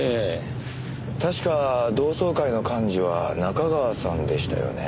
確か同窓会の幹事は仲川さんでしたよね。